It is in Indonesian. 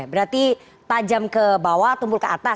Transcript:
berarti tajam ke bawah tumpul ke atas